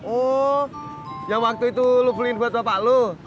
oh yang waktu itu lo beliin buat bapak lo